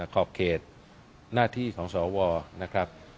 ขอบเขตหน้าที่ของสวนะครับ